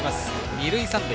二塁三塁。